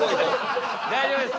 大丈夫です。